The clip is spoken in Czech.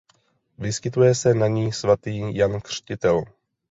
Vyskytuje se na ní svatý Jan Křtitel.